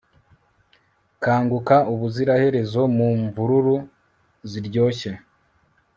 kanguka ubuziraherezo mu mvururu ziryoshye